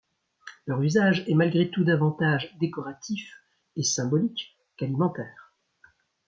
Leur usage est malgré tout davantage décoratif et symbolique qu'alimentaire.